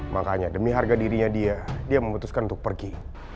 makanya demi harga dirinya dia dia memutuskan untuk pergi